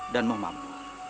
dan moh mampu